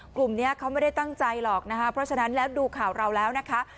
กลุ่มนี้เขาไม่ได้ตั้งใจหรอกนะคะเพราะฉะนั้นแล้วดูข่าวเราแล้วนะคะ